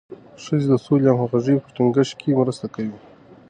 ښځې د سولې او همغږۍ په ټینګښت کې مرسته کوي.